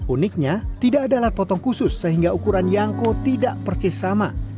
uniknya tidak ada alat potong khusus sehingga ukuran yangko tidak persis sama